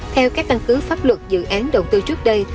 theo các căn cứ pháp luật dự án đầu tư trước đây